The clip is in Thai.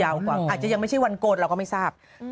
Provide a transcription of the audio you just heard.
อาจจะยังไม่ใช่วันโกนเราก็ไม่ทราบ